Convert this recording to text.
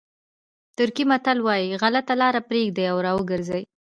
ترکي متل وایي غلطه لاره پرېږدئ او را وګرځئ.